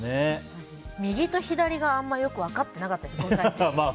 右と左があんまりよく分かってなかったです。